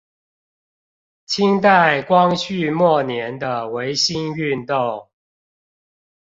清代光緒末年的維新運動